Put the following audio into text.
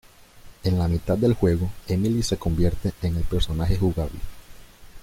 En la mitad del juego, Emilie se convierte en el personaje jugable.